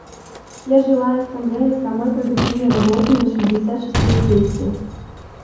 Я желаю Ассамблее самой продуктивной работы на шестьдесят шестой сессии.